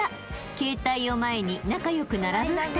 携帯を前に仲良く並ぶ２人］